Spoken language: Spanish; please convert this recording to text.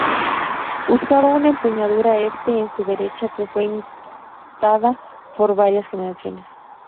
Usaba una empuñadura Este en su derecha que fue imitada por varias generaciones.